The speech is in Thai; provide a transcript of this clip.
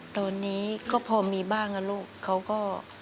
ตอนนี้ก็พอมีบ้างนะลูกเขาก็